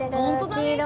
黄色い。